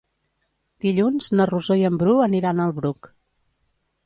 Dilluns na Rosó i en Bru aniran al Bruc.